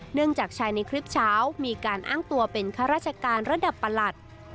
เนื่องจากชายในคลิปเช้ามีการอ้างตัวเป็นข้าราชการระดับประหลัด